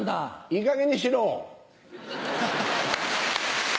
いいかげんにしろ。